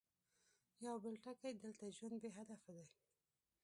يو بل ټکی، دلته ژوند بې هدفه دی.